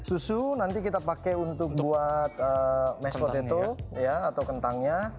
susu nanti kita pakai untuk buat mesh poteto atau kentangnya